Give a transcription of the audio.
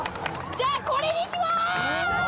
じゃあこれにします。